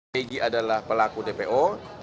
pg adalah pelaku dpo